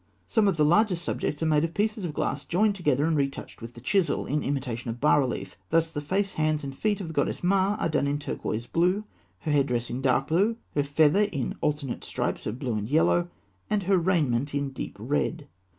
Some of the largest subjects are made of pieces of glass joined together and retouched with the chisel, in imitation of bas relief. Thus the face, hands, and feet of the goddess Ma are done in turquoise blue, her headdress in dark blue, her feather in alternate stripes of blue and yellow, and her raiment in deep red.